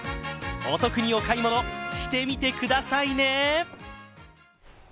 おトクにお買い物、してみてくださいね。